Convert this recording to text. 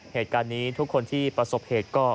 เหตุการณ์นี้ทุกคนที่ประสบเหตุก็